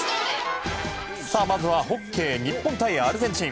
まずはホッケー日本対アルゼンチン。